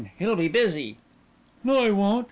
He'll be busy." "No, he won't.